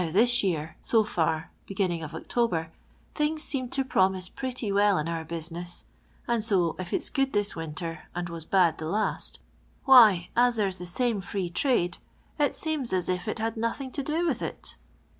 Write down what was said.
Nuw, this year, so far (beginning of October), inings seem to promibe pretty well iu our busine&5, and so if it's good thid winter and was bad the last, why, as there's the tame Free Traide, it seems as if it had nothing to do with it.